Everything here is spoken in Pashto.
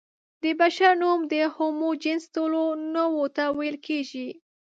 د بشر نوم د هومو جنس ټولو نوعو ته ویل کېږي.